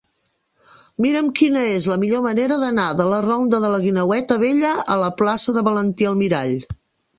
Mira'm quina és la millor manera d'anar de la ronda de la Guineueta Vella a la plaça de Valentí Almirall.